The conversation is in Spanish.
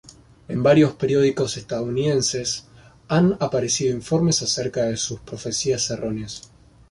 En varios periódicos estadounidenses han aparecido informes acerca de sus profecías erróneas.